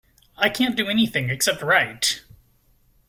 I can't do anything, except write.